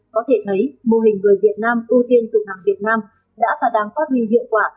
có thể thấy mô hình người việt nam ưu tiên dùng hàng việt nam đã và đang phát huy hiệu quả